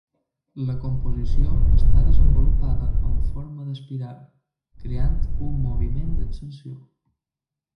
La composició està desenvolupada en forma d'espiral, creant un moviment d'ascensió.